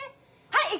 はい！